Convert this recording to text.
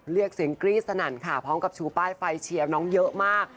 เรียกเสียงกรี๊ดสนั่นค่ะพร้อมกับชูป้ายไฟเชียร์น้องเยอะมาก